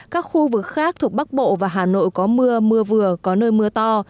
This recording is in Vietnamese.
các khu vực khác thuộc bắc bộ và hà nội có mưa mưa vừa có nơi mưa to